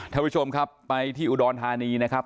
ท่านผู้ชมครับไปที่อุดรธานีนะครับ